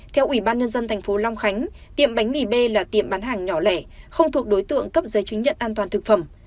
theo ubnd tp long khánh tiệm bánh mì b là tiệm bán hàng nhỏ lẻ không thuộc đối tượng cấp giới chứng nhận an toàn thực phẩm